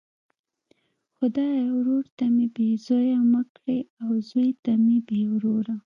خدایه ورور ته مي بې زویه مه کړې او زوی ته بې وروره!